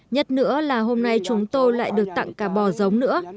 nhất nữa là hôm nay chúng tôi lại được tặng cả bò giống nữa